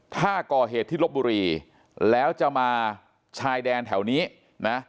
ถ้าก่อเหตุที่ลบบุรีแล้วจะมาชายแดนแถวนี้นะ